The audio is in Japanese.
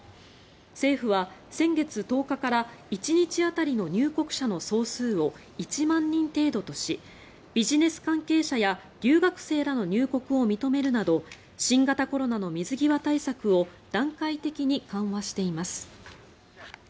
政府は先月１０日から１日当たりの入国者の総数を１万人程度としビジネス関係者や留学生らの入国を認めるなど新型コロナの水際対策を段階的に緩和しています。